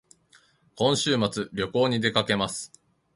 今週末旅行に出かけます